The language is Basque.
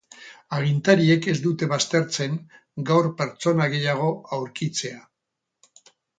Agintariek ez dute baztertzen gaur pertsona gehiago aurkitzea.